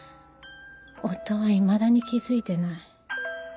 夫はいまだに気付いてない。